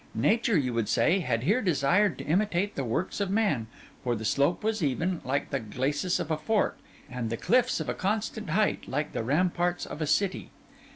Nature, you would say, had here desired to imitate the works of man; for the slope was even, like the glacis of a fort, and the cliffs of a constant height, like the ramparts of a city.